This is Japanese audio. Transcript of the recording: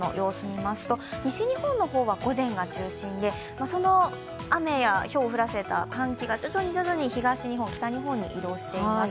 西日本の方は午前が中心でその雨やひょうを降らせた寒気が徐々に東日本、北日本に移動しています。